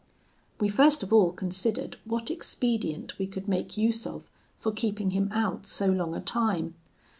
"We first of all considered what expedient we could make use of for keeping him out so long a time.